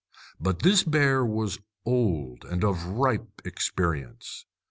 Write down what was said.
But this bear was old and of ripe experience.